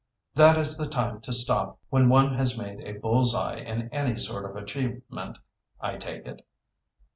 That is the time to stop, when one has made a bull's eye in any sort of achievement, I take it.